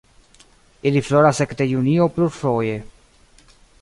Ili floras ekde junio plurfoje.